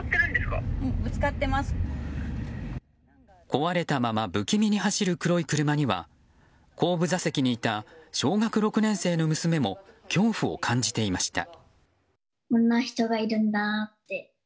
壊れたまま不気味に走る黒い車には後部座席にいた小学６年生の娘も恐怖を感じていました。